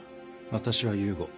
私は雄吾。